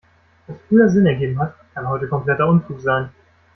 Was früher Sinn ergeben hat, kann heute kompletter Unfug sein.